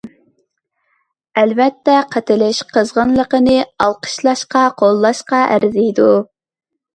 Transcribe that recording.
ئەلۋەتتە، قاتنىشىش قىزغىنلىقىنى ئالقىشلاشقا، قوللاشقا ئەرزىيدۇ.